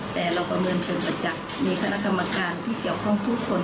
แต่เราประเมินเชิงประจักษ์มีคณะกรรมการที่เกี่ยวข้องทุกคน